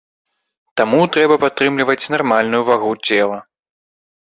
Таму трэба падтрымліваць нармальную вагу цела.